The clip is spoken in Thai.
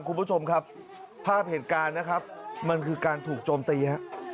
คุณผู้ชมครับภาพเหตุการณ์นะครับมันคือการถูกโจมตีฮะ